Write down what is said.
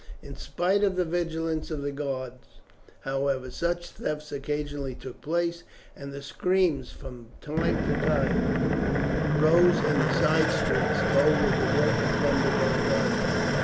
In spite of the vigilance of the guard, however, such thefts occasionally took place, and the screams that from time to time rose in the side streets told of the work of plunder going on there.